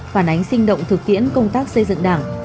phản ánh sinh động thực tiễn công tác xây dựng đảng